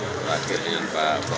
pembelajar dengan pak bok